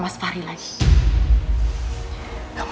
lagi dalam air chris